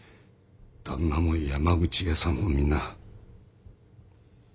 旦那も山口屋さんもみな。